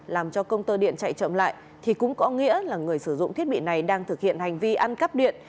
làm cho công tơ điện chạy chậm lại thì cũng có nghĩa là người sử dụng thiết bị này đang thực hiện hành vi ăn cắp điện